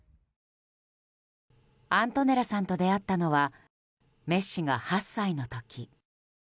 アントネラさんと出会ったのはメッシが８歳の時。